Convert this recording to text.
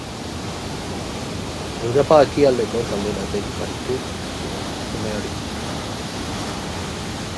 Europa ekialdeko talde batek bahitu zuen emakume hori.